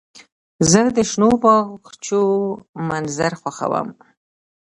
زه د شنو باغچو منظر خوښوم.